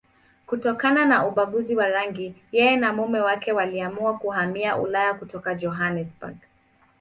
Kutokana na ubaguzi wa rangi, yeye na mume wake waliamua kuhamia Ulaya kutoka Johannesburg.